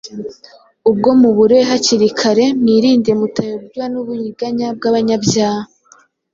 ubwo muburiwe hakiri kare, mwirinde mutayobywa n’uburiganya bw’abanyabyaha